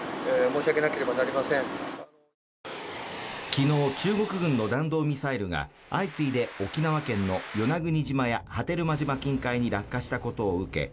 きのう中国軍の弾道ミサイルが相次いで沖縄県の与那国島や波照間島近海に落下したことを受け